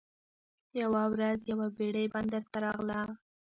یوه ورځ یوه بیړۍ بندر ته راغله.